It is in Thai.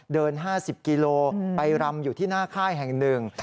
๕๐กิโลไปรำอยู่ที่หน้าค่ายแห่งหนึ่ง